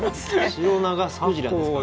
シロナガスクジラですかね。